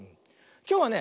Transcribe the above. きょうはね